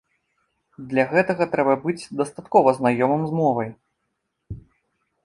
Для гэтага трэба быць дастаткова знаёмым з мовай.